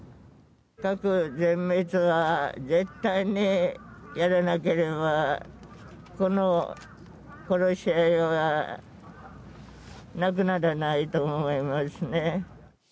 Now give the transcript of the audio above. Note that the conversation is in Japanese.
核絶滅は絶対にやらなければ、この殺し合いはなくならないと思いますね。